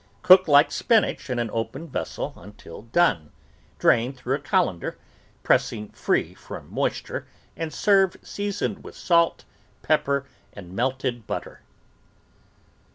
Cook like spinach in an open vessel until done, drain through a colan der, pressing free from moisture, and serve sea soned with salt, pepper, and melted butter.